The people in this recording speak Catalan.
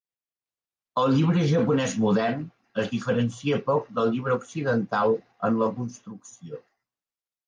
El llibre japonès modern es diferencia poc del llibre occidental en la construcció.